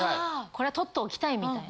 これはとっておきたい！みたいな。